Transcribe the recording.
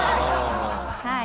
はい。